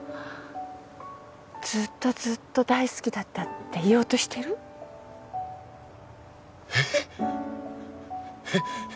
ずーっとずーっと大好きだったって言おうとしてる？ええ！？